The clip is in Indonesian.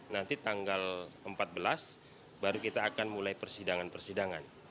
nanti tanggal empat belas baru kita akan mulai persidangan persidangan